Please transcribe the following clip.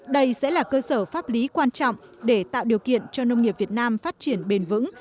đây sẽ là cơ sở pháp lý quan trọng để tạo điều kiện cho nông nghiệp việt nam phát triển bền vững